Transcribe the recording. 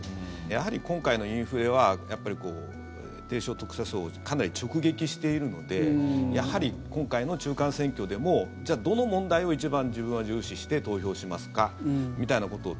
やはり、今回のインフレは低所得者層をかなり直撃しているのでやはり、今回の中間選挙でもどの問題を一番自分は重視して投票しますかみたいなことを。